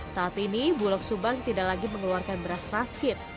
saat ini bulog subang tidak lagi mengeluarkan beras raskit